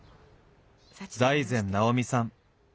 財前直見さん。